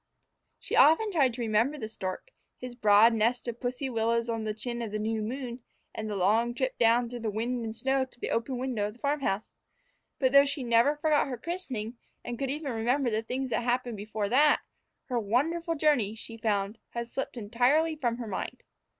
She often tried to remember the stork, his broad nest of pussy willows on the chin of the new moon, and the long trip down through the wind and snow to the open window of the farm house. But though she never forgot her christening, and could even remember things that happened before that, her wonderful journey, she found, had slipped entirely from her mind.